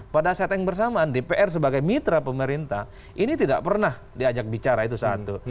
pada saat yang bersamaan dpr sebagai mitra pemerintah ini tidak pernah diajak bicara itu satu